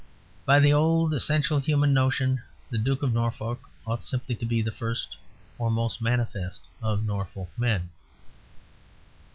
By the old essential human notion, the Duke of Norfolk ought simply to be the first or most manifest of Norfolk men.